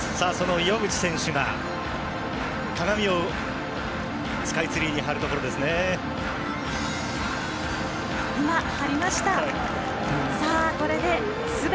岩渕選手が鏡をスカイツリーに貼るところですね。